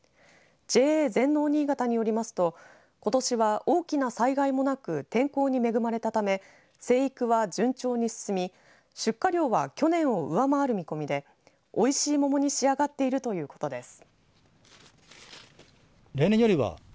ＪＡ全農にいがたによりますとことしは大きな災害もなく天候に恵まれたため生育は順調に進み出荷量は去年を上回る見込みでおいしい桃に仕上がっているということです。